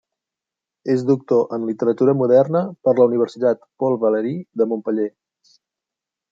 És doctor en Literatura Moderna per la Universitat Paul Valéry de Montpeller.